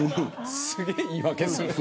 すごい言い訳する。